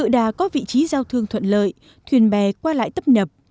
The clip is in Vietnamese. đà có vị trí giao thương thuận lợi thuyền bè qua lại tấp nập